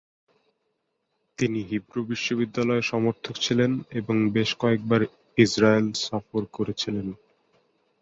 তিনি হিব্রু বিশ্ববিদ্যালয়ের সমর্থক ছিলেন এবং বেশ কয়েকবার ইজরায়েল সফর করেছিলেন।